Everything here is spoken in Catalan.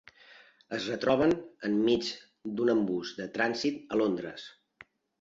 Es retroben enmig d'un embús de trànsit a Londres.